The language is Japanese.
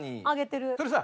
あげてるよ。